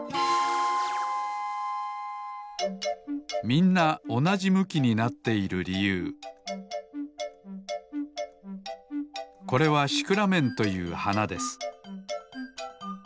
みんなおなじむきになっているりゆうこれはシクラメンというはなです